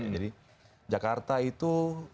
jadi jakarta itu